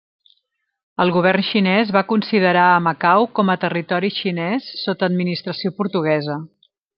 El govern xinès va considerar a Macau com a territori xinès sota administració portuguesa.